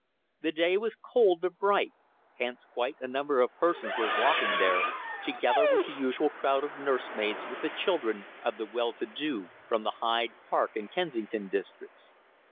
The day was cold, but bright, hence quite a number of persons were walking there, together with the usual crowd of nursemaids with the children of the well to do from the Hyde Park and Kensington districts.